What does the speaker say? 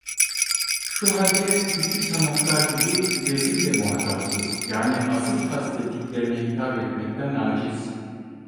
Şu halde bütün sanatlar gibi resim de muhatapsız, yani asıl kastettiklerine hitap etmekten âciz.